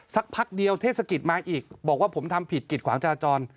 สักพักเดียวเทศกิจมาอีกบอกว่าผมทำผิดกิดขวางจราจร